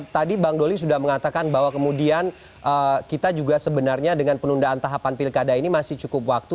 tadi bang doli sudah mengatakan bahwa kemudian kita juga sebenarnya dengan penundaan tahapan pilkada ini masih cukup waktu